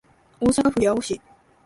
大阪府八尾市